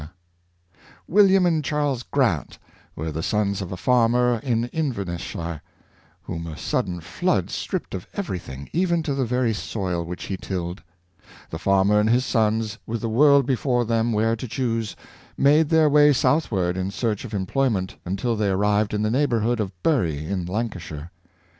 612 Dilige7ice and Sobriety, William and Charles Grant were the sons of a farmer in Inverness shire, whom a sudden flood stripped of every thing, even to the very soil which he tilled. The farmer and his sons, with the world before them where to choose, made their way southward in search of em ployment until they arrived in the neighborhood of Bury in Lancashire.